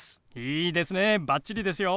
いいですねばっちりですよ！